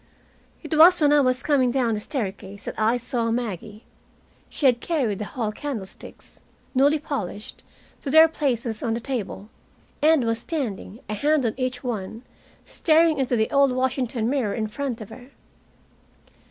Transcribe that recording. It was when I was coming down the staircase that I saw Maggie. She had carried the hall candlesticks, newly polished, to their places on the table, and was standing, a hand on each one, staring into the old Washington mirror in front of her.